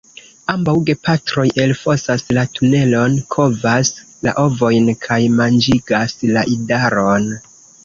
Ambaŭ gepatroj elfosas la tunelon, kovas la ovojn kaj manĝigas la idaron.